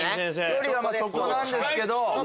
距離はまぁそこなんですけど。